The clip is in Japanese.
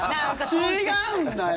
違うんだよ！